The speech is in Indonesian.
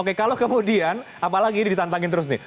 oke kalau kemudian apalagi ini ditantangin terus nih